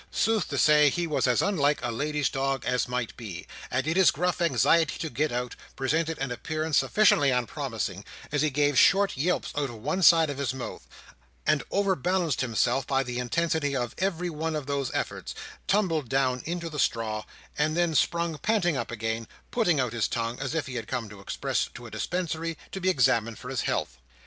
Sooth to say, he was as unlike a lady's dog as might be; and in his gruff anxiety to get out, presented an appearance sufficiently unpromising, as he gave short yelps out of one side of his mouth, and overbalancing himself by the intensity of every one of those efforts, tumbled down into the straw, and then sprung panting up again, putting out his tongue, as if he had come express to a Dispensary to be examined for his health.